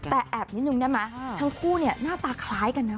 แต่แอบนิดนึงได้ไหมทั้งคู่เนี่ยหน้าตาคล้ายกันนะ